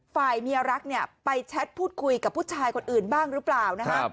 ฝ่ายเมียรักเนี่ยไปแชทพูดคุยกับผู้ชายคนอื่นบ้างหรือเปล่านะฮะ